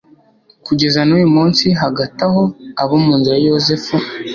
kugeza n'uyu munsi. hagati aho, abo mu nzu ya yozefu